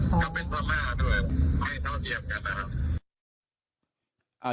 ก็เป็นประมาณด้วยให้เท่าเชียบกันนะครับ